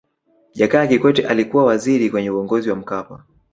jakaya kikwete alikuwa waziri kwenye uongozi wa mkapa